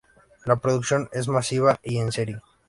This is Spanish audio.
La producción es masiva y en serie.